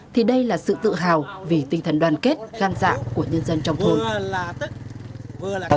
thì đây là sự tự hào vì tinh thần đoàn kết gan dạ của nhân dân trong thôn